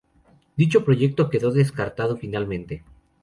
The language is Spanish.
Dicho proyecto quedó descartado finalmente.